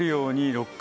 ６回。